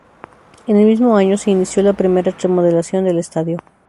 En el mismo año se inició la primera remodelación del estadio.